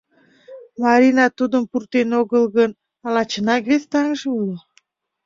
Марина тудым пуртен огыл гын, ала чынак вес таҥже уло?